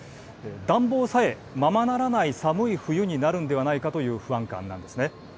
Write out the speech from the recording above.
暖房さえ、ままならない寒い冬になるんではないかという不安感なんですね。